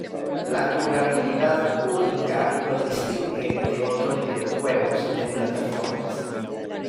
La jugabilidad única lo distingue de otros videojuegos de plataformas.